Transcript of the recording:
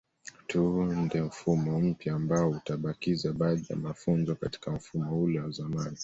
Tuunde mfumo mpya ambao utabakiza baadhi ya mafunzo katika mfumo ule wa zamani